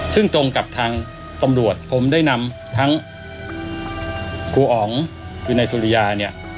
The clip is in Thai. ซึ่งตรงกับทางตำรวจผมได้นำทั้งครูอ๋องคือนายสุริยาเนี่ย